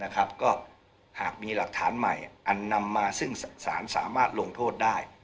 ก็หากมีหลักฐานใหม่อันนำมาซึ่งสารสามารถลงโทษได้